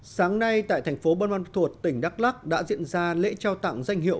sáng nay tại thành phố ban ban thuột tỉnh đắk lắc đã diễn ra lễ trao tặng danh hiệu